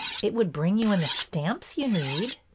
'' It would bring you in the stamps you need."